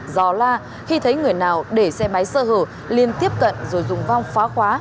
giò la khi thấy người nào để xe máy sơ hở liên tiếp cận rồi dùng vong phá khóa